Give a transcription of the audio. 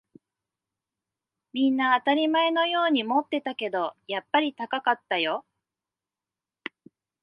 みんな当たり前のように持ってたけど、やっぱり高かったよ